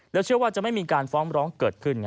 เชื่อว่าจะไม่มีการฟ้องร้องเกิดขึ้น